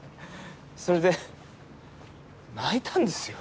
それで泣いたんですよ